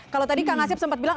kalau tadi kang asep sempat bilang